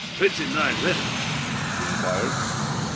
"Pretty nigh ready?" he inquired.